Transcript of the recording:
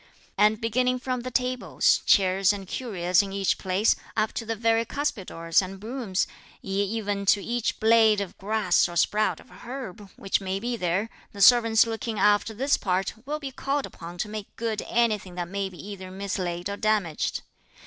And beginning from the tables, chairs and curios in each place, up to the very cuspidors and brooms, yea even to each blade of grass or sprout of herb, which may be there, the servants looking after this part will be called upon to make good anything that may be either mislaid or damaged.